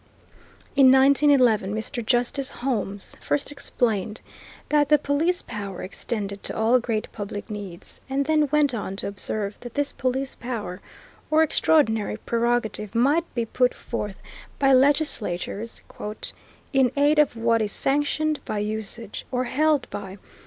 In 1911 Mr. Justice Holmes first explained that the Police Power extended to all great public needs, and then went on to observe that this Police Power, or extraordinary prerogative, might be put forth by legislatures "in aid of what is sanctioned by usage, or held by